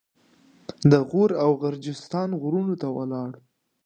د غور او غرجستان غرونو ته ولاړ.